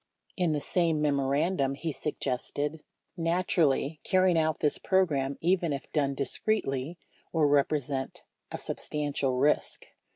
In the same memorandum, he suggested: Naturally, carrying out this program, even if done dis cretely, will represent a substantial risk.